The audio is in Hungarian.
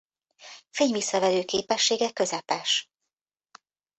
Fényvisszaverő képessége közepes.